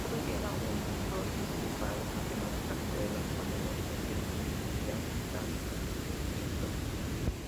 Roy era un prodigio para las matemáticas, pero las abandonó porque decidió estudiar sánscrito.